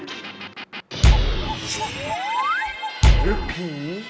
หรือผี